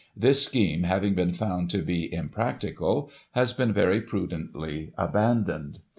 This scheme, having been found to be impracticable, has been ^ery prudently abandoned.